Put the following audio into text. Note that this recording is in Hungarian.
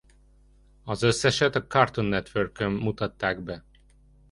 Az összeset a Cartoon Networkön mutatták be.